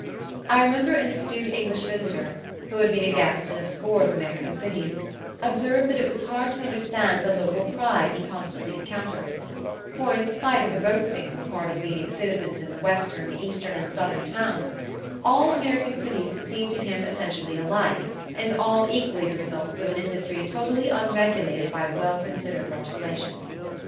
I remember an astute English visitor, who had been a guest in a score of American cities, observed that it was hard to understand the local pride he constantly encountered; for in spite of the boasting on the part of leading citizens in the western, eastern, and southern towns, all American cities seemed to him essentially alike and all equally the results of an industry totally unregulated by well considered legislation.